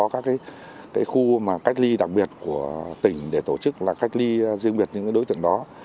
các khu cách ly đặc biệt của tỉnh để tổ chức cách ly riêng biệt những đối tượng đó